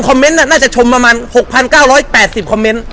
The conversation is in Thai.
แขกรับเชิญทุกคนมาก็